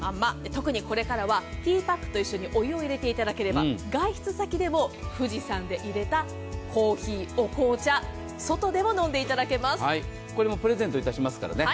特にこれからはティーバッグと一緒にお湯を入れていただければ外出先でも富士山でいれたコーヒーお紅茶プレゼントいたしますからね。